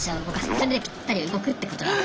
それでぴったり動くってことが。